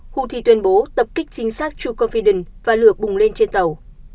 huthi tuyên bố tập kích chính xác true confidence và lửa bùng lên trên tàu